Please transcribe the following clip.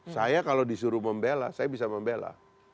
saya kalau disuruh membela saya bisa membela